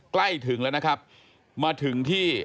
ใกล้ถึงแล้วนะครับมาถึงที่